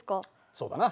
そうだな。